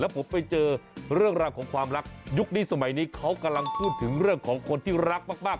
ผมไปเจอเรื่องราวของความรักยุคนี้สมัยนี้เขากำลังพูดถึงเรื่องของคนที่รักมาก